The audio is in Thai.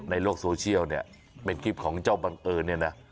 ในโลกโซเชียลเนี่ยเป็นคลิปของเจ้าบังเอิญเนี่ยนะ